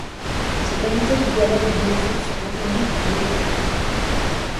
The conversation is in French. Ses qualités de dialogue et de mesure sont reconnues par les deux parties.